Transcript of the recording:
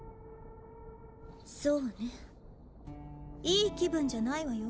いい気分じゃないわよ